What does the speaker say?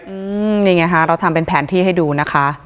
อืมนี่ไงฮะเราทำเป็นแผนที่ให้ดูนะคะ